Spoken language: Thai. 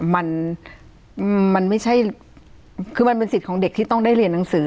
มันมันไม่ใช่คือมันเป็นสิทธิ์ของเด็กที่ต้องได้เรียนหนังสือ